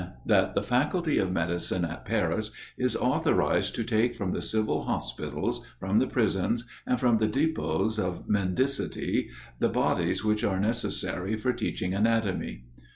That the faculty of medicine at Paris is authorized to take from the civil hospitals, from the prisons, and from the depôts of mendicity, the bodies which are necessary for teaching anatomy.